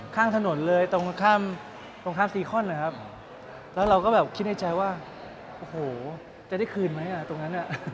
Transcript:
ข้างถนนเลยตรงข้ามตรงข้ามซีคอนนะครับแล้วเราก็แบบคิดในใจว่าโอ้โหจะได้คืนไหมอ่ะตรงนั้น